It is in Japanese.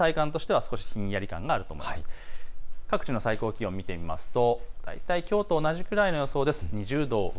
各地の最高気温を見てみますと大体きょうと同じくらいの予想です。